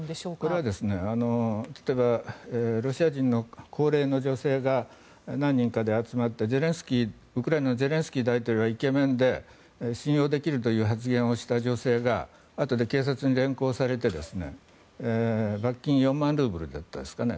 これは例えばロシア人の高齢の女性が何人かで集まって、ウクライナのゼレンスキー大統領はイケメンで信用できるという発言をした女性があとで警察に連行されて罰金４万ルーブルでしたかね